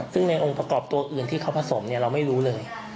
ซึ่งในองค์ประกอบตัวอื่นที่เขาผสมเราไม่รู้เลย